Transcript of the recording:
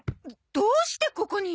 どうしてここに？